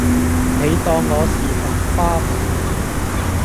你當我是浮誇吧